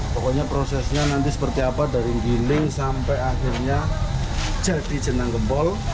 pokoknya prosesnya nanti seperti apa dari giling sampai akhirnya jadi jenang gempol